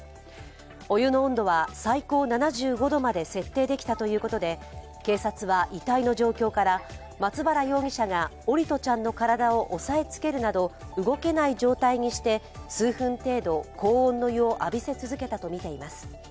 お湯の温度は最高７５度まで設定できたということで警察は遺体の状況から、松原容疑者が桜利斗ちゃんの体を押さえつけるなど、動けない状態にして数分程度、高温の湯を浴びせ続けたとみています。